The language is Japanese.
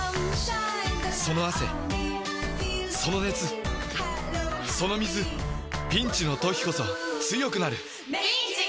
その汗その熱その水ピンチの時こそ強くなる！